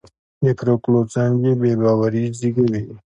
د پرېکړو ځنډ بې باوري زېږوي